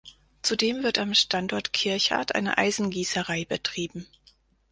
Zudem wird am Standort Kirchardt eine Eisengießerei betrieben.